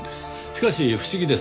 しかし不思議です。